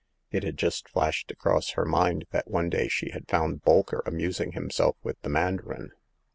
It had just flashed across her mind that one day she had found Bolker amusing himself with the mandarin.